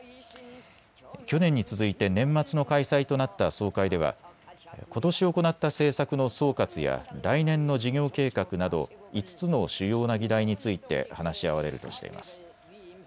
去年に続いて年末の開催となった総会では、ことし行った政策の総括や来年の事業計画など５つの主要な議題について話し合われるとしています。